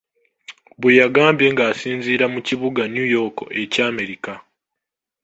Bwe yagambye ng'asinziira mu kibuga New York ekya Amerika.